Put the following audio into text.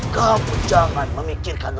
kamu jangan memikirkan